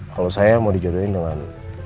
kalau saya mau dijodohin dengan